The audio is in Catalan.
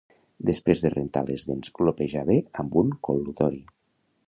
Després de rentar les dents glopejar bé amb un col•lutori